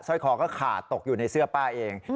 ร้อยคอก็ขาดตกอยู่ในเสื้อป้าเอง